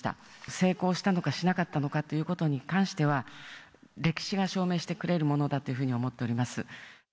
成功したのかしなかったのかということに関しては、歴史が証明してくれるものだというふうに思っております。